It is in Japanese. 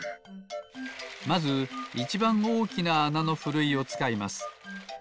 まずいちばんおおきなあなのふるいをつかいます。